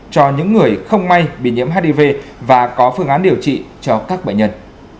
cho những người không may bị nhiễm hiv và có phương án điều trị cho các bệnh nhân